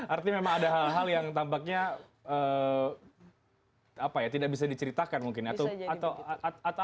arti memang ada hal hal yang tampaknya eh apa ya tidak bisa diceritakan mungkin atau atau at at